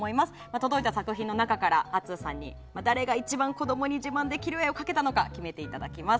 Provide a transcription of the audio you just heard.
届いた作品の中からアッツーさんに誰が一番子供に自慢できる絵を描けたのか選んでいただけます。